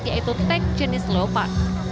yaitu tank jenis lopak